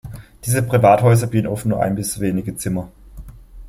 Diese Privathäuser bieten oft nur ein bis wenige Zimmer.